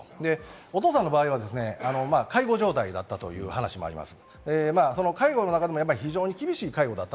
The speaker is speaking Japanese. お父さんの場合は介護状態だったという話もあります。